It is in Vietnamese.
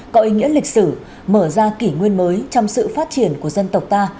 có ý nghĩa lịch sử mở ra kỷ nguyên mới trong sự phát triển của dân tộc ta